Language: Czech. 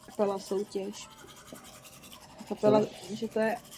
Je to dobrý způsob, jak přinutit lidi, aby přemýšleli.